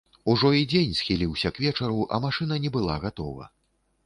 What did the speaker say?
Ужо і дзень схіліўся к вечару, а машына не была гатова.